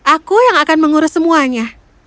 aku yang akan mengurus semuanya